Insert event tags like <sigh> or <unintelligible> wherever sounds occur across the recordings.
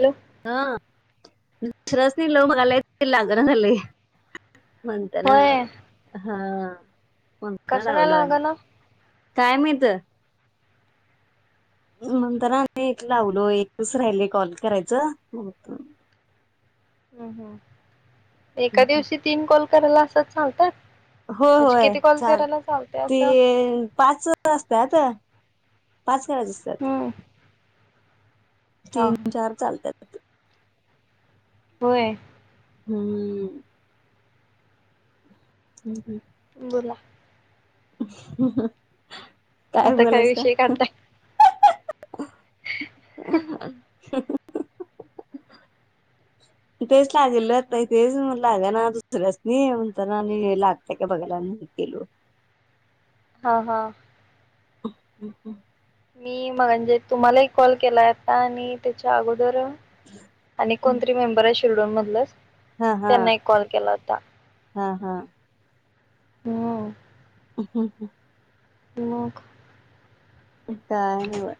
Hello. हा दुसऱ्यासनी लावून बगलिया ते लागना झालय. म्हणताना होय हा हा. कसं काय लागना? काय माहित मंताना आणि लावलो एक च राहिलय कॉल करायचं बघत मी हम्म हम्. एका दिवशी तीन कॉल करायला असच चालत्यात? हो होय चाल ते असं पाच असत्यात पाच सहज सात हम्म हा तीन हा चार चालत्यात. होय. हम्म. हम् हम्. बोला. <inaudible> काय आता बोलायच? विषय काढताय <inaudible> तेच लागलं तेच लागनात. दुसऱ्यासनी म्हणतान आणि लागतय कात बघायला आणि केलो. हा हा. हम् हम्. मी मग म्हणजे तुम्हाला एक कॉल केलाय आता आणि त्याच्या अगोदर आणि कोणतरी मेंबर आहे शिरडून म स हा हा हा हा हम् हम् नग काय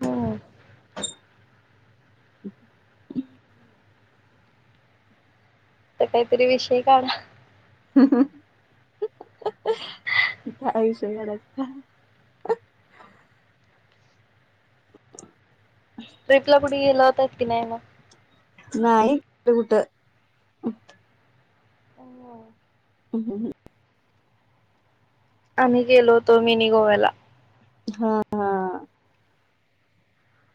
हो त कायतरी विषय काढ काही सगचत प नाहीय म नाहीय कुठ हो हम् हम हम आम्ही गेलो होतो मिनी गोव्याला हा हा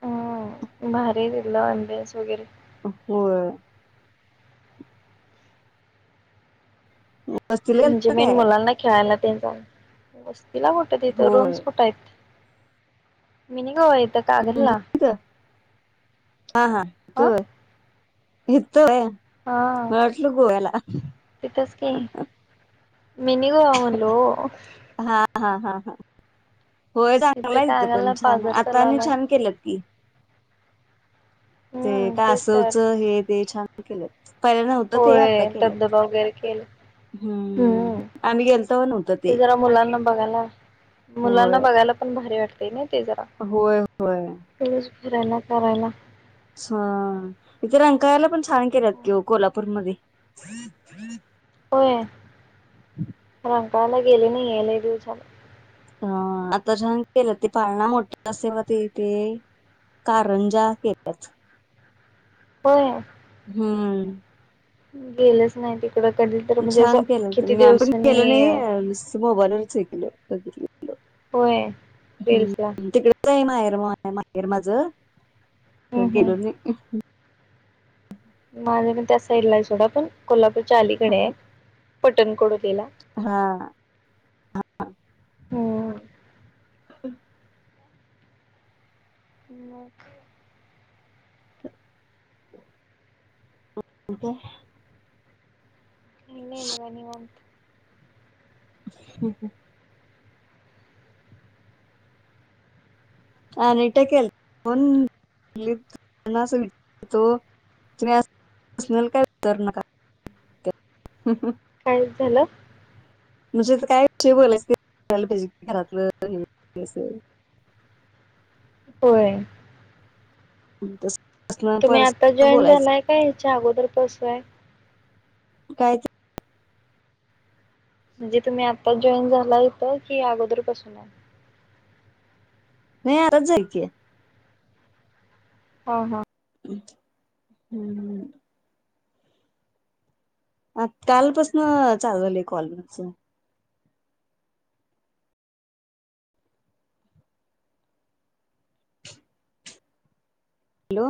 हम् भारी दिला अस वगैरे हो वस्तीला म्हणजे गेलता मी काय मुलांना खेळायला ते इला कुठेेत इथ रूम्स होय कुठ येत मन गय हा हा अ त ह तोय हा म आटल गोवाला मनी ग आवनलो हा हा हा हा होय इथं चांगलाच पण कागलला छान पाझर आता आणि तलावला छान केलंत की ते हम्म काय तेच तर असवचं हे ते छान केलं होय धबधबा वगैरे केला हम्म आम्ही गेल तर नव्हत ते होगला मुलांना होय बघायला पण भारी वाटते प होय होय फिरायला करायला कररायला हा इथे रंकाला पण स्ान केलंत कि कोल्हापूरमध्येध्ये हम् हम् होय रा कयला गेले नाइये लई दिवस झाल. ह आता छान केल ते पाळणा मोठा असेवा ते ते कारंजा केल्यात. होय. हम्म. गेलच नाही ते. छान केल त म्या पण केल दिवसांनी नयी नुसत मोबाईलवरच ऐकल. <inaudible> होय रिल्सला हम्म तिकड <unintelligible> माहेर माझ हम्म अ गेलो नयी माझ्या पण त्या साइड ला थोडाडा पण कोल्हापूर चा अलीकडेये पटणकोड हा हा हो- हम. मग? <inaudible> के नयी मगा निवांत ह हं - <unintelligible> काय झाल? म्हणजे काय विषय बोलायच कराला पाहिजे घरातल हे अस होय. ह तस तुम्ही आता जॉईन झालाय का याच्या अगोदर पासूय कायच म्हणजे तुम्ही आताच जॉईन झाला इथ, कि अगोदर पासूनये? नाही आराज झाली की. ह हा. हम्म. आ कालपासन चालू झाले कॉल च. हॅलो!